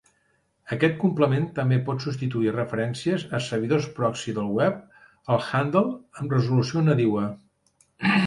Aquest complement també pot substituir referències a servidors proxy del web al handle amb resolució nadiua.